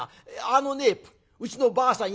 あのねうちのばあさん